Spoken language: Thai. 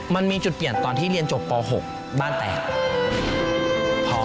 มันมีจุดเปลี่ยนตอนที่เรียนจบป๖บ้านแตก